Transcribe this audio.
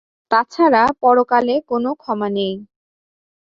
তাছাড়া পরকালে কোনো ক্ষমা নেই।